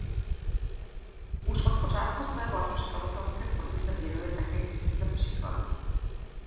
Už od počátků své vlastní překladatelské tvorby se věnuje také kritice překladu.